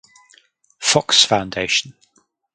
Fox Foundation.